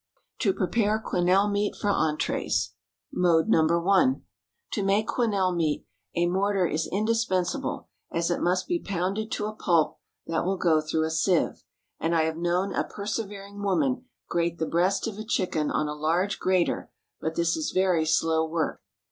To prepare quenelle meat for entrées. Mode No. 1. To make quenelle meat, a mortar is indispensable, as it must be pounded to a pulp that will go through a sieve, and I have known a persevering woman grate the breast of chicken on a large grater, but this is very slow work.